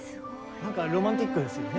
なんかロマンティックですよね。